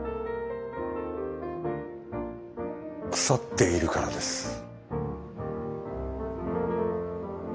腐っているからです。